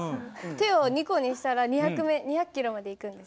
手を２個にしたら２００キロまでいくんですか？